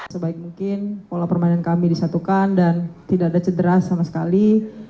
sebaik mungkin pola permainan kami disatukan dan tidak ada cedera sama sekali